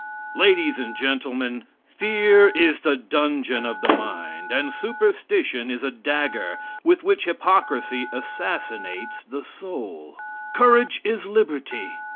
] Ladies and Gentlemen: Fear is the dungeon of the mind, and superstition is a dagger with which hypocrisy assassinates the soul. Courage is liberty.